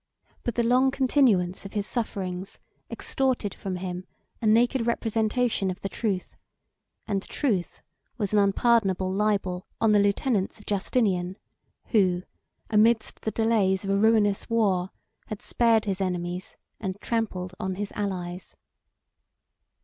But the long continuance of his sufferings extorted from him a naked representation of the truth; and truth was an unpardonable libel on the lieutenants of Justinian, who, amidst the delays of a ruinous war, had spared his enemies and trampled on his allies.